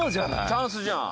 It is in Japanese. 「チャンスじゃん」